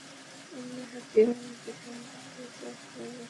উম্মে হাকীম আমাকে সংবাদ দিয়েছে, আপনি আমাকে অভয় দিয়েছেন।